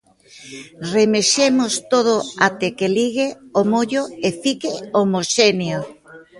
Remexemos todo até que ligue o mollo e fique homoxéneo.